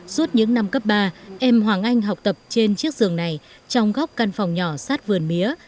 suốt những năm cấp ba em hoàng anh học tập trên chiếc giường này trong góc căn phòng nhỏ sát vườn mía